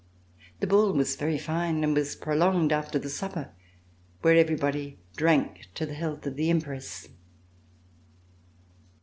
The ball was very fine and was prolonged after the supper where everyone drank to the health of the Empress.